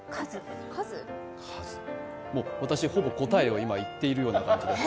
もう、私、ほぼ答えを今言ってるような感じです。